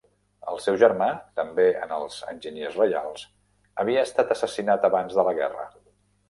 El seu germà –també en els enginyers reials– havia estat assassinat abans de la guerra.